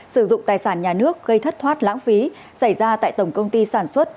sử dụng tài sản nhà nước gây thất thoát lãng phí xảy ra tại tổng công ty sản xuất